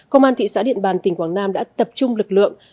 công an thị xã điện bàn tỉnh quảng nam đã tập trung lực lượng